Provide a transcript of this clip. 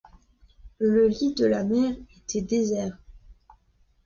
Le lit de la mer était désert.